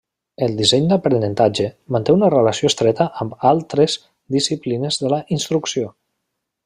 El disseny d'aprenentatge manté una relació estreta amb altres disciplines de la instrucció.